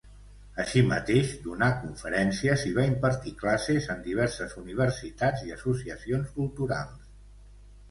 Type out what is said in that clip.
Així mateix donà conferències i va impartir classes en diverses universitats i associacions culturals.